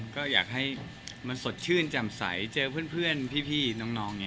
ก็อยากให้มันสดชื่นจำใสเจอเพื่อนพี่น้อง